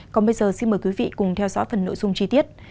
còn bây giờ xin mời quý vị cùng theo dõi phần nội dung chi tiết